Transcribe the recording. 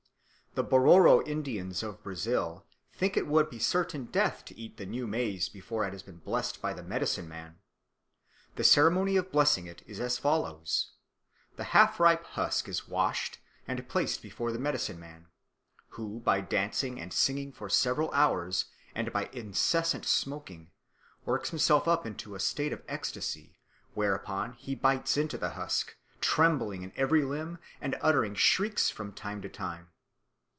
The Bororo Indians of Brazil think that it would be certain death to eat the new maize before it has been blessed by the medicine man. The ceremony of blessing it is as follows. The half ripe husk is washed and placed before the medicine man, who by dancing and singing for several hours, and by incessant smoking, works himself up into a state of ecstasy, whereupon he bites into the husk, trembling in every limb and uttering shrieks from time to time.